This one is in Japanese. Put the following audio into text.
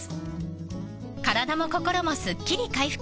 ［体も心もすっきり回復。